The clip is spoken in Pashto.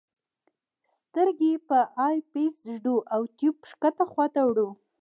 سترګې په آی پیس ږدو او ټیوب ښکته خواته وړو.